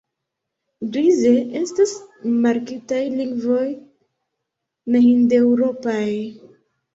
Grize estas markitaj lingvoj nehindeŭropaj.